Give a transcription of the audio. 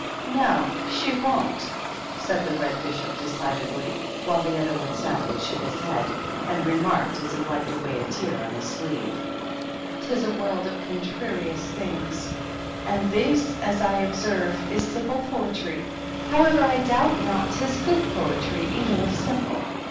"No, she wonHj^ said the Red Bishop, de cidedly, while the other one sadly shook his head, and remarked, as he wiped away a tear on his sleeve, —" 'Tis a world of contrarious things ; and this, as I observed, is simply poetry. However, I doubt not 'tis good poetry, even if simple."